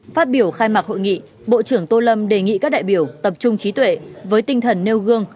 phát biểu khai mạc hội nghị bộ trưởng tô lâm đề nghị các đại biểu tập trung trí tuệ với tinh thần nêu gương